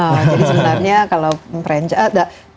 wow jadi sebenarnya kalau prenja ah enggak